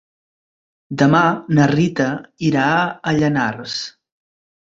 Demà na Rita irà a Llanars.